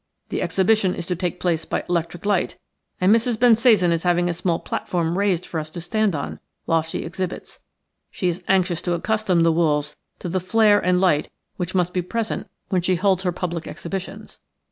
"The exhibition is to take place by electric lights and Mrs. Bensasan is having a small platform raised for us to stand on while she exhibits. She is anxious to accustom the wolves to the flare and light which must be present when she holds her public exhibitions.